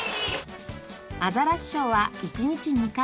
アザラシショーは１日２回。